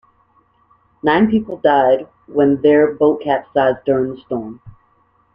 Nine people died when their boat capsized during the storm.